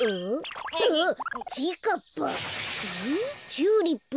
チューリップ。